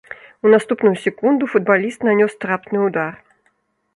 У наступную секунду футбаліст нанёс трапны ўдар.